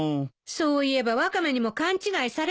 そういえばワカメにも勘違いされたわ。